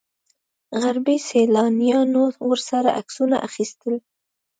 غربي سیلانیانو ورسره عکسونه اخیستل.